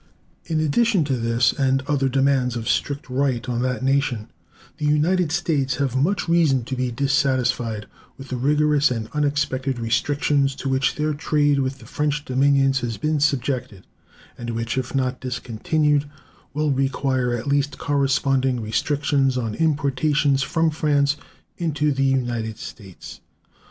In addition to this and other demands of strict right on that nation, the United States have much reason to be dissatisfied with the rigorous and unexpected restrictions to which their trade with the French dominions has been subjected, and which, if not discontinued, will require at least corresponding restrictions on importations from France into the United States.